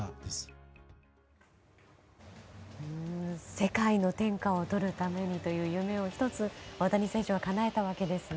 世界の天下をとるためにという夢を１つ、大谷選手はかなえたわけですね。